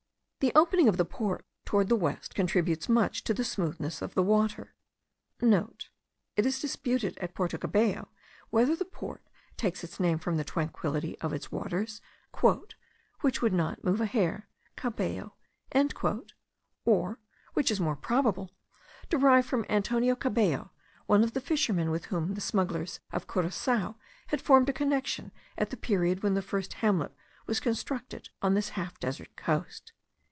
The opening of the port towards the west contributes much to the smoothness of the water.* (* It is disputed at Porto Cabello whether the port takes its name from the tranquillity of its waters, "which would not move a hair (cabello)," or (which is more probable) derived from Antonio Cabello, one of the fishermen with whom the smugglers of Curacoa had formed a connexion at the period when the first hamlet was constructed on this half desert coast.)